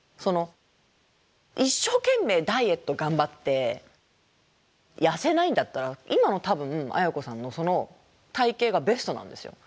一生懸命ダイエット頑張って痩せないんだったら今の多分あやこさんのその体型がベストなんですよ。